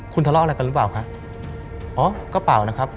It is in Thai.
คุณทะเลาะอะไรกันหรือเปล่าคะอ๋อก็เปล่านะครับ